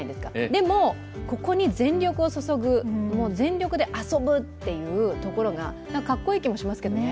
でも、ここに全力を注ぐ、全力で遊ぶというところがかっこいい気もしますけどね。